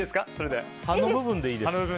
葉の部分でいいです。